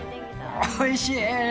おいしい。